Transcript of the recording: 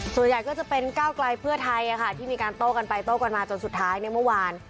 ส่วนใหญ่ก็จะเป็นก้าวไกลเพื่อไทยที่มีการโต้กันไปโต้กันมาจนสุดท้ายในเมื่อวาน